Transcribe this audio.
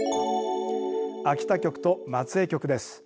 秋田局と松江局です。